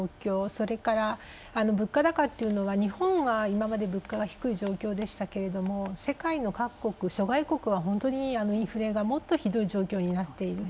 それから、物価高っていうのは日本は今まで物価が低い状況でしたけど世界の各国諸外国は本当にインフレがもっとひどい状況になっている。